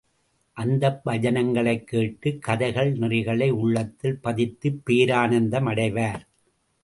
அந்தப் பஜனைகளைக் கேட்டு, கதைகள் நெறிகளை உள்ளத்தில் பதித்துப் பேரானந்தம் அடைவார்.